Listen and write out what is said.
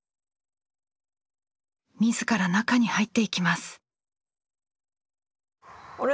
自ら中に入っていきます。